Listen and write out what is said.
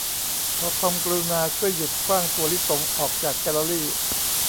ขอความกรุณาช่วยหยุดขว้างถั่วลิสงออกจากแกลเลอรี